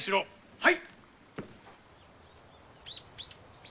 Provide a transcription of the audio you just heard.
はい！